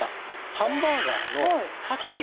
ハンバーガーのパティ。